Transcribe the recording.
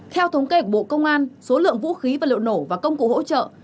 theo thống kê của bộ công an số lượng vũ khí vật liệu nổ và công cụ hỗ trợ